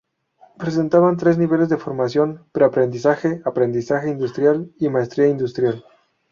Presentaba tres niveles de formación: pre-aprendizaje, aprendizaje industrial y maestría industrial.